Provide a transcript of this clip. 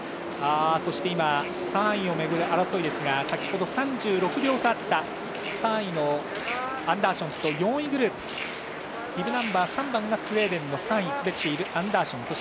そして３位をめぐる争いですが先ほど３６秒差あった３位のアンダーション４位グループビブナンバー３番がスウェーデンの３位を滑るアンダーション。